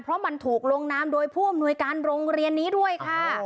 เพราะมันถูกลงนามโดยผู้อำนวยการโรงเรียนนี้ด้วยค่ะ